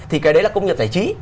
thì cái đấy là công nghiệp giải trí